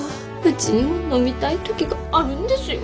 うちにも飲みたい時があるんですよ。